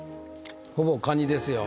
ほぼカニですよ